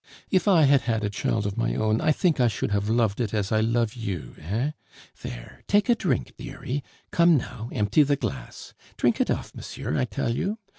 If I had had a child of my own, I think I should have loved it as I love you, eh! There, take a drink, dearie; come now, empty the glass. Drink it off, monsieur, I tell you!